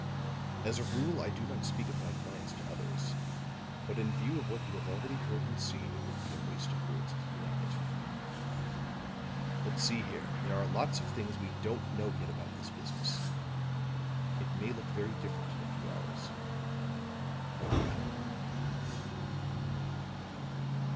As a rule I do not speak of my clients to others, but in view of what you have already heard and seen, it would be a waste of words to deny it. But, see here, there are lots of things we don't know yet about this business. It may look very different in a few hours. Come."